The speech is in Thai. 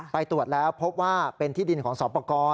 ตรวจแล้วพบว่าเป็นที่ดินของสอบประกอบ